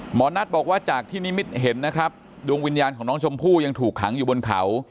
หมอนัทบอกว่าจากที่นิมิตเห็นนะครับดวงวิญญาณของน้องชมพู่ยังถูกขังอยู่บนเขา